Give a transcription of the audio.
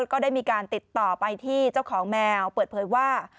ก็ได้มีการติดต่อไปที่เจ้าของแมวเปิดเผยว่า